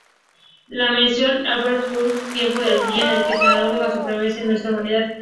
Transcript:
Lo mencionó Albert Einstein: ""Temo el día en que la tecnología sobrepase nuestra humanidad..."".